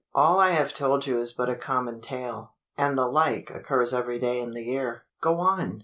All I have told you is but a common tale, and the like occurs every day in the year." "Go on!"